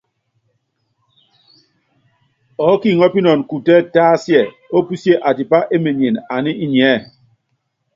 Ɔɔ́ kiŋɔ́pinɔnɔ kutɛ́ tásia ópusíé atipá emenyene aní inyiɛ́.